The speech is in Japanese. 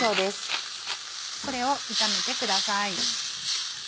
これを炒めてください。